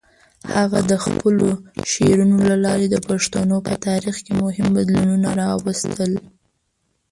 هغه د خپلو شعرونو له لارې د پښتنو په تاریخ کې مهم بدلونونه راوستل.